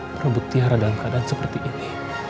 merebut tiara dalam keadaan seperti ini